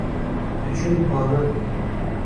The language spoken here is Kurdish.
diçûn banan